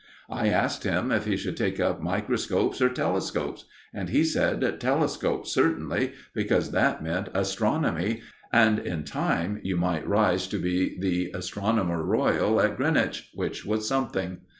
I asked him if he should take up microscopes or telescopes, and he said telescopes certainly, because that meant astronomy, and in time you might rise to be Astronomer Royal of Greenwich, which was something.